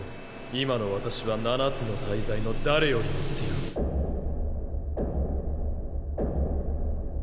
今の私は七つの大罪の誰よりも強いザシュ！